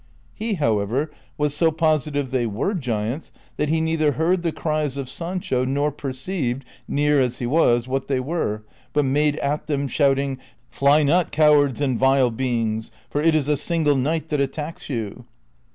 He, however, was so positive they were giants that he neither heard the cries of Sancho, nor perceived, near as he was, what they were, but made at them shouting, " Fly not, cowards and vile beings, for it is a single knight that attacks you."